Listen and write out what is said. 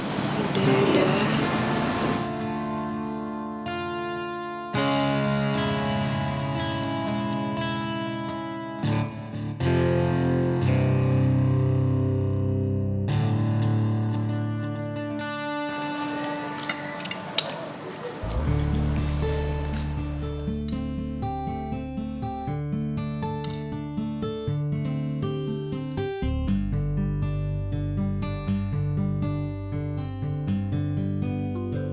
gak ada apa apa